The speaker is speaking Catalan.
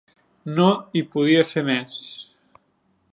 No hi podia fer més.